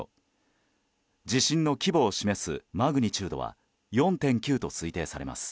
地震の規模を示すマグニチュードは４．９と推定されます。